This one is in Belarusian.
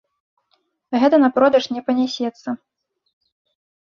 Гэта на продаж не панясецца.